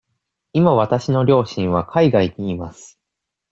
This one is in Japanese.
今わたしの両親は海外にいます。